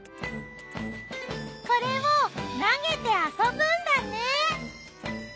これを投げて遊ぶんだね。